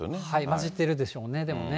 混じってるでしょうね、でもね。